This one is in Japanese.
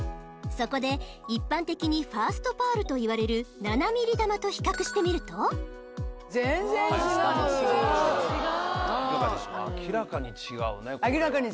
そこで一般的にファーストパールといわれる７ｍｍ珠と比較してみると全然違う！